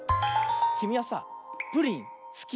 きみはさプリンすき？